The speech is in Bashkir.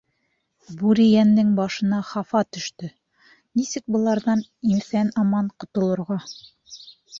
Бүрейәндең башына хафа төштө: нисек быларҙан иҫән-аман ҡотолорға?